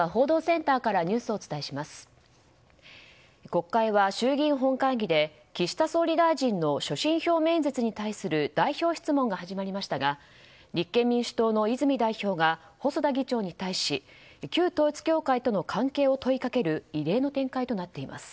国会は衆議院本会議で岸田総理大臣の所信表明演説に対する代表質問が始まりましたが立憲民主党の泉代表が細田議長に対し旧統一教会との関係を問いかける異例の展開となっています。